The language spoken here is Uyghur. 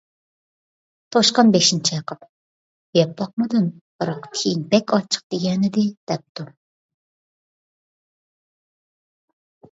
توشقان بېشىنى چايقاپ: - يەپ باقمىدىم، بىراق تىيىن بەك ئاچچىق، دېگەنىدى، - دەپتۇ.